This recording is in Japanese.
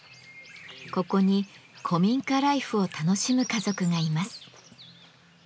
ここに古民家ライフを楽しむ家族がいます。